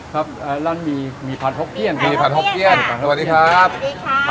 ครับร้านมีมีผัดหกเกี้ยนมีพันหกเกี้ยนสวัสดีครับสวัสดีค่ะ